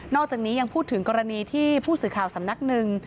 อกจากนี้ยังพูดถึงกรณีที่ผู้สื่อข่าวสำนักหนึ่ง